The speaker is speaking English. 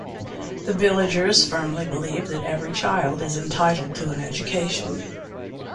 The villagers firmly believe that every child is entitled to an education.